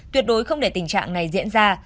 tuyệt đối không để tình trạng này diễn ra